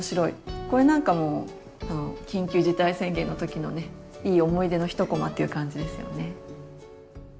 これなんかも多分緊急事態宣言の時のねいい思い出の一こまっていう感じですよね。